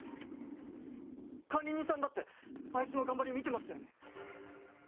管理人さんだってあいつの頑張り見てましたよね。